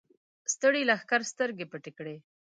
ستړي لښکر سترګې پټې کړې.